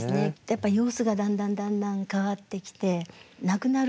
様子がだんだんだんだん変わってきて亡くなる